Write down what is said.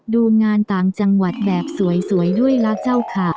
ดูงานต่างจังหวัดแบบสวยด้วยล่ะเจ้าค่ะ